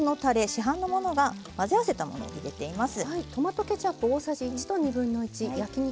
市販のものが混ぜ合わせたものを入れています。